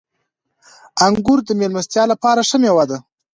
• انګور د میلمستیا لپاره ښه مېوه ده.